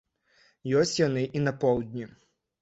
Ёсць яны і на поўдні.